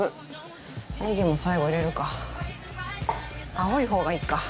青い方がいいか。